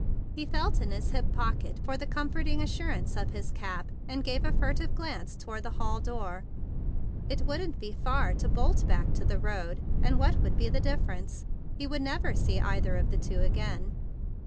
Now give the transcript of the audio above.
He felt in his hip pocket for the comforting assurance of his cap, and gave a furtive glance to¬ ward the hall door. It wouldn't be far to bolt back to the road, and what would be the difference? He would never see either of the two again.